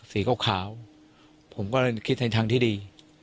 สีขาวผมก็เลยคิดในทางที่ดี